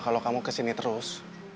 kalau kamu kesini terus